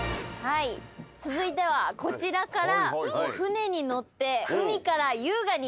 続いてはこちらから。